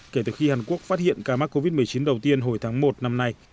kể từ khi hàn quốc phát hiện ca mắc covid một mươi chín đầu tiên hồi tháng một năm nay